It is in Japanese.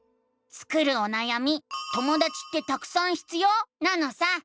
スクるおなやみ「ともだちってたくさん必要？」なのさ！